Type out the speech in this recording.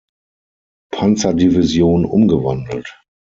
Panzerdivision umgewandelt.